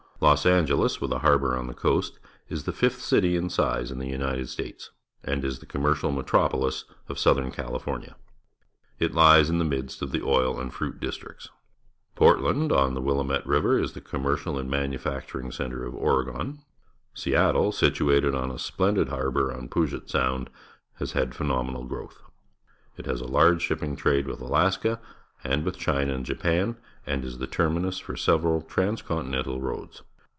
Los Angeles, with a harbour on the coast, is the fifth city in size in the L'nited States, and is the commercial metropoUs of Southern Cali fornia. It hes in the midst of the oil and fruit districts. Portland, on the Willamette River, is the commercial and manufacturing centre of Or egon. Seattle, situated on a splendid harbour on Paget Sound, has had a phenomenal growth. It has a large ship ping trade with Alaska and with China and Japan and is the terminus for several transcontinental roads.